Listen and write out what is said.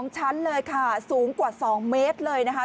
๒ชั้นเลยค่ะสูงกว่า๒เมตรเลยนะคะ